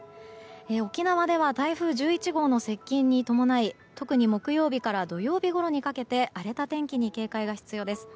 沖縄では台風１１号の接近に伴い特に木曜日から土曜日ごろにかけて荒れた天気に警戒が必要です。